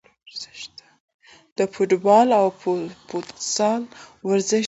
د فوټبال او فوتسال ورزش ته